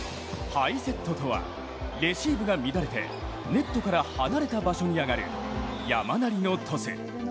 ハイセットとはレシーブが乱れてネットから離れた場所に上がる山なりのトス。